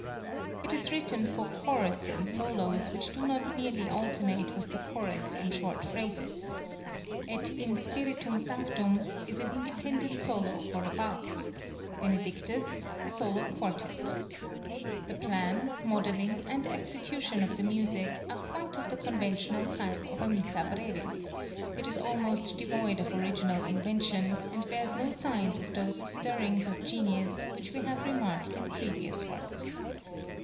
It is written for chorus and solos which do not merely alternate with the chorus in short phrases; "Et in Spiritum Sanctum" is an independent solo for the bass; Benedictus, a solo quartet. The plan, modelling, and execution of the music are quite of the conventional type of a Missa brevis; it is almost devoid of original invention, and bears no signs of those stirrings of genius which we have remarked in previous works.